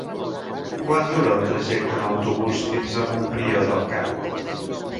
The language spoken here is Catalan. Quant dura el trajecte en autobús fins a Montbrió del Camp?